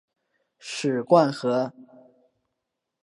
史灌河